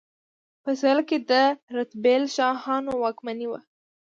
په سویل کې د رتبیل شاهانو واکمني وه.